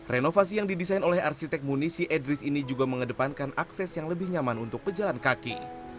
renovasi yang didesain oleh arsitek munisi edris ini juga mengedepankan akses yang lebih nyaman untuk pejalan kaki